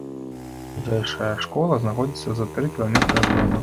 Бліжэйшая школа знаходзіцца за тры кіламетры ад дома.